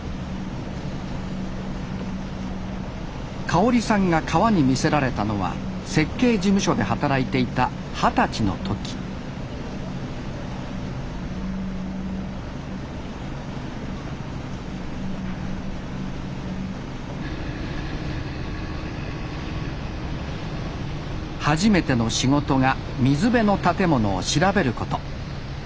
かおりさんが川に魅せられたのは設計事務所で働いていた二十歳の時初めての仕事が水辺の建物を調べること。